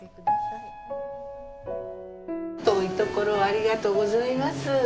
遠いところをありがとうございます。